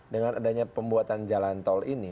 dengan adanya pembuatan jalan tol ini